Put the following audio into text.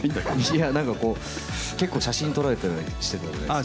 いや、なんかこう、結構写真撮られたりしてたじゃないですか。